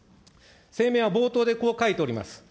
声明は冒頭でこう書いております。